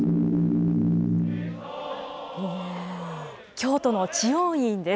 京都の知恩院です。